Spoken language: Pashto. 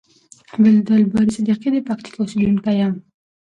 عبدالباری صدیقی د پکتیکا اوسیدونکی یم.